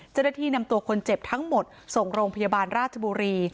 เจ้าหน้าที่นำตัวคนเจ็บทั้งหมดส่งโรงพยาบาลราชบุรี